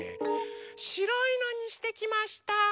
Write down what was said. しろいのにしてきました。